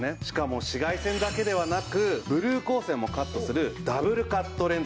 しかも紫外線だけではなくブルー光線もカットするダブルカット